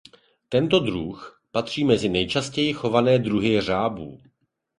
Tento druh patří mezi nejčastěji chované druhy jeřábů.